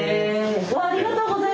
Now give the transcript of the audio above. うわっありがとうございます！